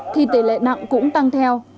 thì tỷ lệ nặng cũng tăng theo